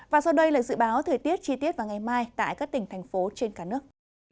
và sau đây là dự báo thời tiết chi tiết vào ngày mai tại các tỉnh thành phố trên cả nước